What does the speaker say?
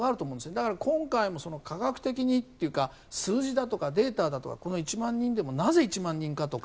だから、今回も科学的にというか数字だとかデータだとかこの１万人でもなぜ１万人だとか。